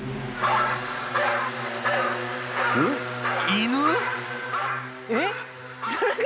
犬？